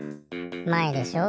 まえでしょ？